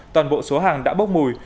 toàn bộ số hàng đã bốc mùi